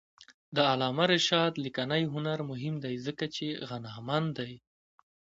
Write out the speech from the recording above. د علامه رشاد لیکنی هنر مهم دی ځکه چې غنامند دی.